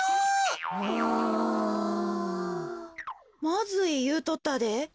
「まずい」いうとったで。